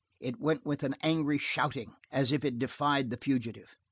It went with an angry shouting as if it defied the fugitive.